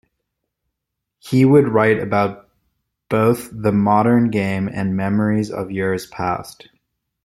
He would write about both the modern game and memories of years past.